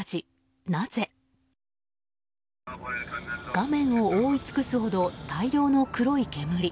画面を覆い尽くすほど大量の黒い煙。